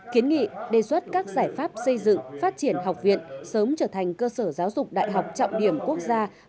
kiến nghị đề xuất các giải pháp xây dựng phát triển học viện sớm trở thành cơ sở giáo dục đại học trọng điểm quốc gia